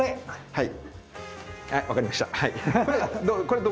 はい。